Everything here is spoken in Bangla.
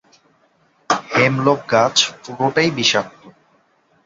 হেমলক গাছ পুরোটাই বিষাক্ত।